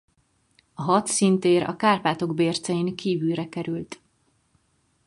A hadszíntér a Kárpátok bércein kívülre került.